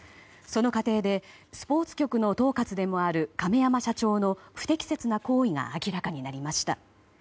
その過程でスポーツ局の統括でもある亀山社長の不適切な行為が明らかになりました。